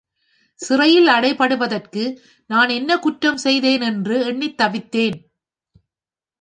சிறையில் அடைபடுவதற்கு நான் என்ன குற்றம் செய்தேன் என்று எண்ணித் தவித்தேன்.